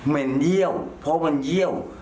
มันเยี่ยวเพราะมันเยี่ยว